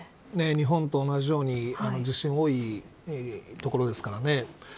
日本と同じように地震が多い所ですからね。